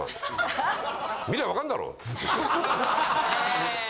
見りゃ分かんだろ！って。